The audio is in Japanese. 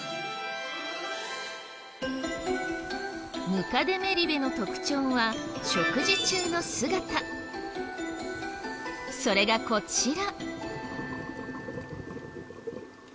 ムカデメリベの特徴はそれがこちら。